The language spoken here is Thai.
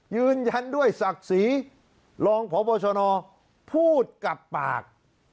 ยืนยันด้วยศักดิ์ศรีรองพบชนพูดกับปาก